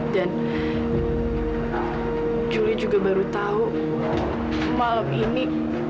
dan juli juga baru tahu malam ini